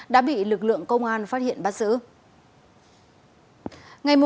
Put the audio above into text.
đã bị lực lượng công an phát hiện bắt giữ